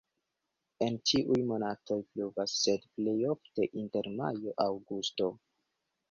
En ĉiuj monatoj pluvas, sed plej ofte inter majo-aŭgusto.